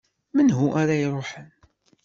Menhu ara iruḥen?